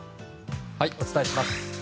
お伝えします。